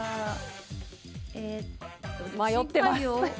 迷っています。